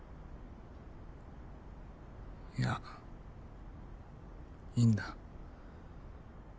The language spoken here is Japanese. いやいいんだ。